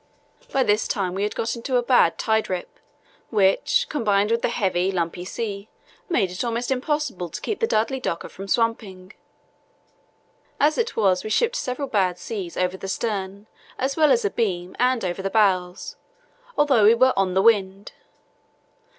By this time we had got into a bad tide rip, which, combined with the heavy, lumpy sea, made it almost impossible to keep the Dudley Docker from swamping. As it was we shipped several bad seas over the stern as well as abeam and over the bows, although we were 'on a wind.